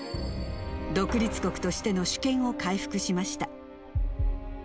独立国としての主権を回復しました。